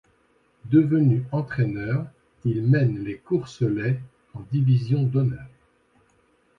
Devenu entraîneur, il mène les Courseullais en Division d'honneur.